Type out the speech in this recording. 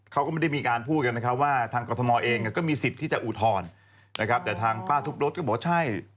เขาก็ไม่ได้มีการพูดกันนะครับว่าทางกรทมเองก็มีสิทธิ์ที่จะอุทธรณ์นะครับแต่ทางป้าทุบรถก็บอกว่าใช่